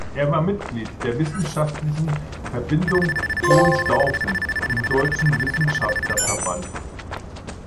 Er war Mitglied der Wissenschaftlichen Verbindung Hohenstaufen im Deutschen Wissenschafter-Verband.